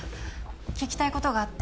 聞きたい事があって。